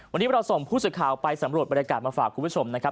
วันนี้เราส่งผู้สื่อข่าวไปสำรวจบรรยากาศมาฝากคุณผู้ชมนะครับ